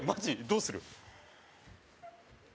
どうする？